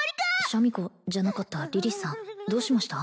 シャミ子じゃなかったリリスさんどうしました？